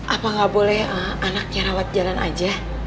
apa nggak boleh anaknya rawat jalan aja